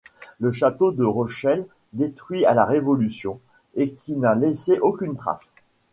Le château de Rochelle détruit à la Révolution, et qui n'a laissé aucune trace.